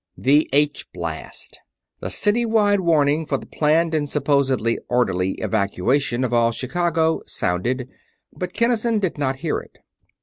The H blast the city wide warning for the planned and supposedly orderly evacuation of all Chicago sounded, but Kinnison did not hear it.